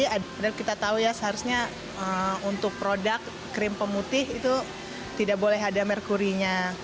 padahal kita tahu ya seharusnya untuk produk krim pemutih itu tidak boleh ada merkurinya